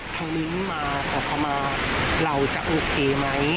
ครั้งนี้มาขอเข้ามาเราจะโอเคไหม